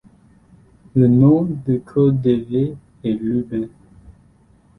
Le nom de code d'Hervé est Ruben.